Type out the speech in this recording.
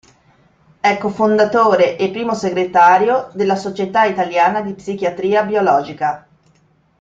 È cofondatore e primo Segretario della Società Italiana di Psichiatria Biologica.